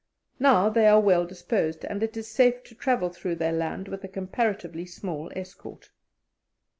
Now they are well disposed, and it is safe to travel through their land with a comparatively small escort.